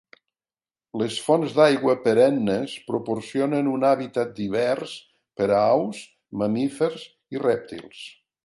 Les fonts d'aigua perennes proporcionen un hàbitat divers per a aus, mamífers i rèptils.